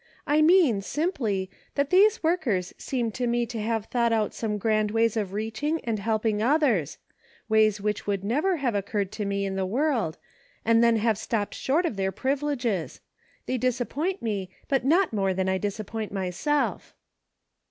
I mean, sim ply, that these workers seem to me to have thought out some grand ways of reaching and helping others ; ways which would never have occurred to me in the world, and then have stopped short of their privileges ; they disappoint me, but not more than I disappoint myself."